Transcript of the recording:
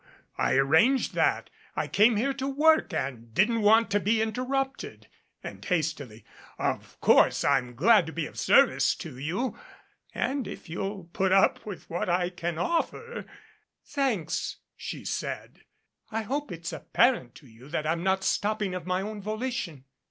I arranged that. I came here to work and didn't want to be interrupted " And hastily: "Of course, I'm glad to be of service to you, and if you'll put up with what I can offer " "Thanks," she said. "I hope it's apparent to you that I'm not stopping of my own volition."